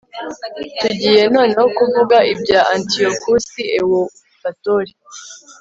tugiye noneho kuvuga ibya antiyokusi ewupatori